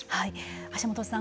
橋本さん